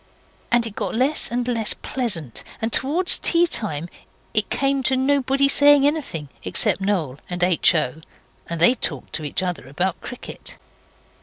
And it got less and less pleasant, and towards teatime it came to nobody saying anything except Noel and H. O. and they talked to each other about cricket.